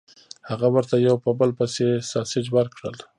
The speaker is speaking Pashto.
هغه ورته یو په بل پسې ساسج ورکړل